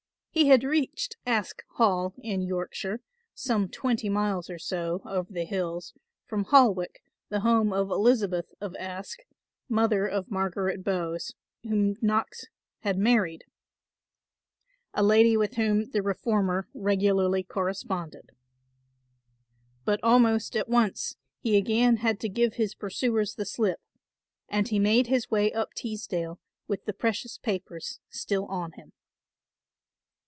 He had reached Aske Hall in Yorkshire, some twenty miles or so, over the hills, from Holwick, the home of Elizabeth of Aske, mother of Margaret Bowes, whom Knox had married, a lady with whom the reformer regularly corresponded. But almost at once he again had to give his pursuers the slip, and he made his way up Teesdale with the precious papers still on him.